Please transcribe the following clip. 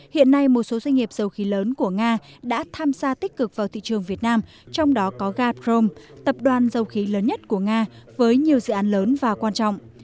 hiện nay một số doanh nghiệp dầu khí lớn của nga đã tham gia tích cực vào thị trường việt nam trong đó có gaprom tập đoàn dầu khí lớn nhất của nga với nhiều dự án lớn và quan trọng